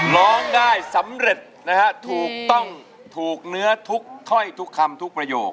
ร้องได้สำเร็จนะฮะถูกต้องถูกเนื้อทุกถ้อยทุกคำทุกประโยค